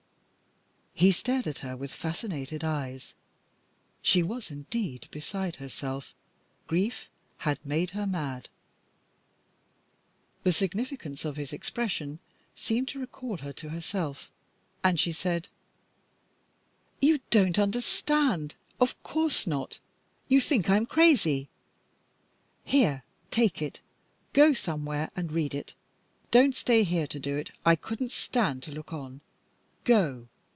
He stared at her with fascinated eyes. She was, indeed, beside herself. Grief had made her mad.. The significance of his expression seemed to recall her to herself, and she said "You don't understand. Of course not. You think I'm crazy. Here, take it. Go somewhere and read it. Don't stay here to do it. I couldn't stand to look on. Go!